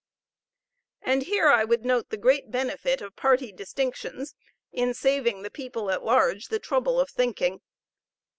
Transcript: And here I would note the great benefit of party distinctions in saving the people at large the trouble of thinking.